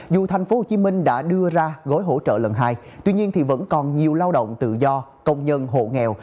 dù tp hcm đã đưa ra gói hỗ trợ lần hai tuy nhiên vẫn còn nhiều lao động tự do công nhân hộ nghèo